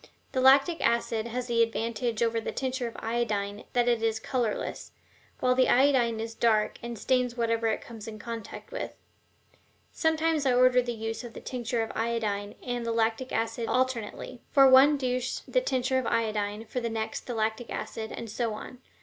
The lactic acid has the advantage over the tincture of iodine that it is colorless, while the iodine is dark and stains whatever it comes in contact with. Sometimes I order the use of the tincture of iodine and the lactic acid alternately: for one douche the tincture of iodine, for the next the lactic acid, and so on.